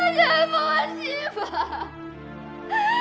bella jangan bawa siva